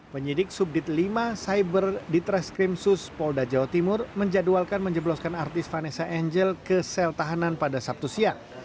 penyidik subdit lima cyber ditreskrimsus polda jawa timur menjadwalkan menjebloskan artis vanessa angel ke sel tahanan pada sabtu siang